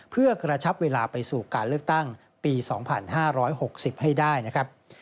เพื่อกระชับเวลาไปสู่การเลือกตั้งปี๒๕๖๐ให้ได้นะครับ